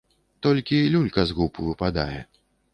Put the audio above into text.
То люлька з губ выпадае.